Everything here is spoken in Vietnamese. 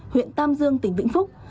huyện tam dương tỉnh vĩnh phúc